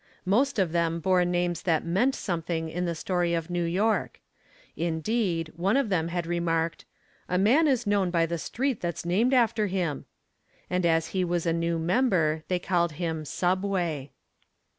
Most of them bore names that meant something in the story of New York. Indeed, one of them had remarked, "A man is known by the street that's named after him," and as he was a new member, they called him "Subway."